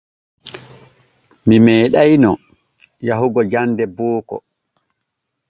Mi meeɗayno yahugo jande booko.